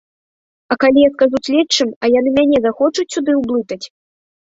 А калі я скажу следчым, а яны мяне захочуць сюды ўблытаць?